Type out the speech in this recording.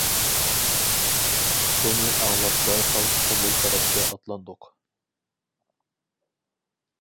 بۇنى ئاڭلاپ دەرھال قۇمۇل تەرەپكە ئاتلاندۇق.